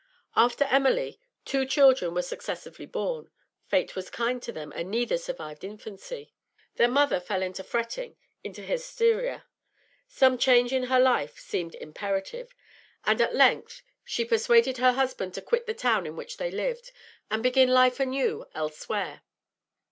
After Emily, two children were successively born; fate was kind to them, and neither survived infancy. Their mother fell into fretting, into hysteria; some change in her life seemed imperative, and at length she persuaded her husband to quit the town in which they lived, and begin life anew elsewhere.